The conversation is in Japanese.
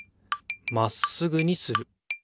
まっすぐにする。